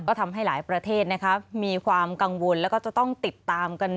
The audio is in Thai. ก็ทำให้หลายประเทศนะคะมีความกังวลแล้วก็จะต้องติดตามกัน